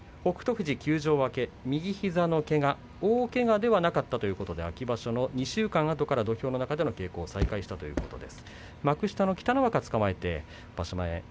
富士、休場明け右膝のけが、大けがではなかったということで秋場所の２週間後から土俵の中での稽古を再開したということです。